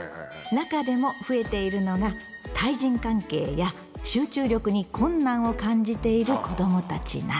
中でも増えているのが対人関係や集中力に困難を感じている子どもたちなど。